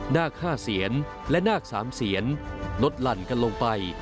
นาคห้าเซียนและนาคสามเซียนนดหลั่นกันลงไป